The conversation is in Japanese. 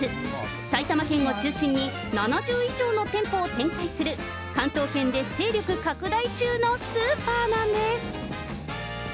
埼玉県を中心に７０以上の店舗を展開する、関東圏で勢力拡大中のスーパーなんです。